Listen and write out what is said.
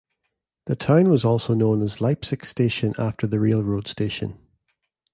The town was also known as Leipsic Station after the railroad station.